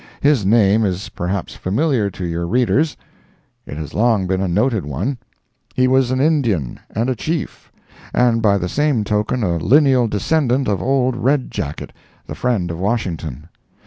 His name is perhaps familiar to your readers. It has long been a noted one. He was an Indian and a Chief; and by the same token a lineal descendant of old Red Jacket, the friend of Washington.